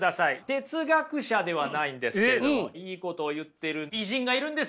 哲学者ではないんですけれどもいいことを言っている偉人がいるんですよ。